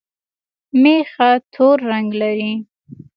مېخه تور رنګ لري